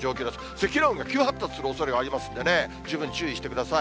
積乱雲が急発達するおそれがありますんでね、十分注意してください。